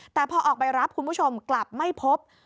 แต่พอออกไปรับคุณผู้ชมกลับไม่พบ